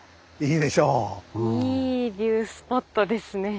いいビュースポットですね。